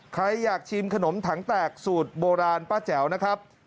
ใครอยากชิมขนมถังแตกสูตรโบราณป้าแจ๋วนะครับ